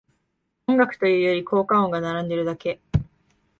音楽というより効果音が並んでるだけ